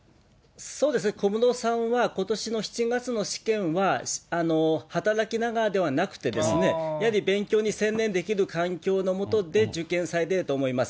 そうですね、小室さんは、ことしの７月の試験は、働きながらではなくてですね、やはり勉強に専念できる環境の下で、受験されてると思います。